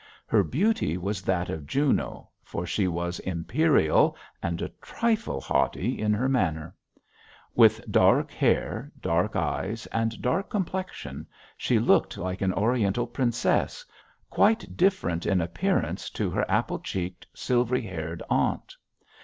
Her beauty was that of Juno, for she was imperial and a trifle haughty in her manner. With dark hair, dark eyes, and dark complexion, she looked like an Oriental princess, quite different in appearance to her apple cheeked, silvery haired aunt.